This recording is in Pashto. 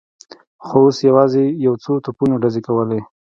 خو اوس یوازې یو څو توپونو ډزې کولې.